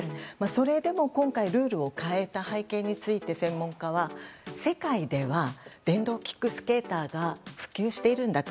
それでも今回ルールを変えた背景について専門家は、世界では電動キックスケーターが普及しているんだと。